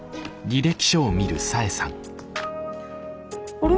あれ？